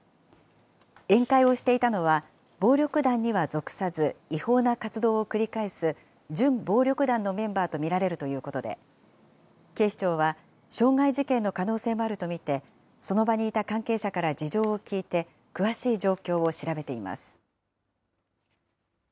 宴会をしていたのは、暴力団には属さず、違法な活動を繰り返す準暴力団のメンバーと見られるということで、警視庁は傷害事件の可能性もあると見て、その場にいた関係者から事情を聴いて、詳しい状況を調べています。